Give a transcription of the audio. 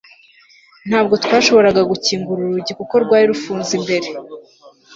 ntabwo twashoboraga gukingura urugi kuko rwari rufunze imbere